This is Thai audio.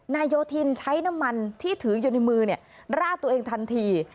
โยธินใช้น้ำมันที่ถืออยู่ในมือราดตัวเองทันที